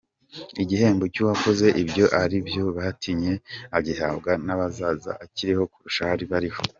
Igihembo cy’uwakoze ibyo abariho batinye agihabwa n’abazaza atakiriho kurusha abariho.